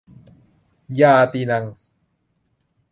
ญาตีนัง